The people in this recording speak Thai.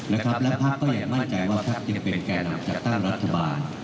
และภาคก็ยังมั่นใจว่าภาคที่จะเป็นแก่นำจัดตั้งรัฐบาล